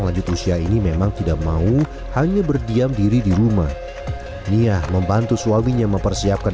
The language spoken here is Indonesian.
lanjut usia ini memang tidak mau hanya berdiam diri di rumah nia membantu suaminya mempersiapkan